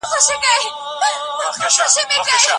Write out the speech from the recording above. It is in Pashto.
آیا پوهه تر شتمنۍ ښه ده؟